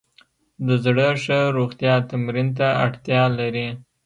د زړه ښه روغتیا تمرین ته اړتیا لري.